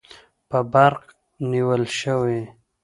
په برق نیول شوي